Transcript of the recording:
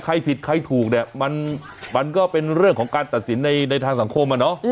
ใครผิดใครถูกเนี่ยมันก็เป็นเรื่องของการตัดสินในทางสังคมอะเนาะ